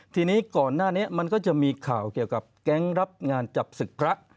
ทีนี้ก่อนหน้านี้มันก็จะมีข่าวเกี่ยวกับแก๊งรับงานจับศึกพระ